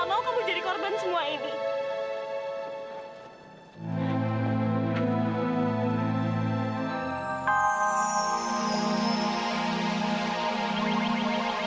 aku gak mau kamu jadi korban semua ini